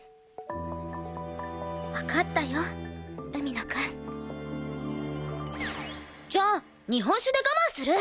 わかったよ海野くん。じゃあ日本酒で我慢する！